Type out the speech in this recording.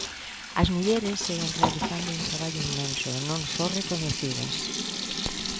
As mulleres seguen realizando un traballo inmenso e non só recoñecidas.